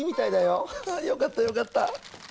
ああよかったよかった。